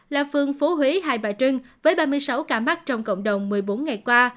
là phương phố huế hai bà trưng với ba mươi sáu ca mắc trong cộng đồng một mươi bốn ngày qua